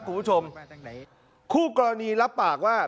คุณผู้ชมคู่กรณีรับปากว่า